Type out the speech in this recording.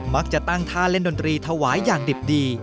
มักจะตั้งท่าเล่นดนตรีถวายอย่างดิบดี